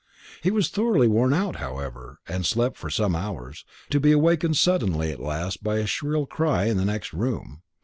He was thoroughly worn out, however, and slept for some hours, to be awakened suddenly at last by a shrill cry in the next room.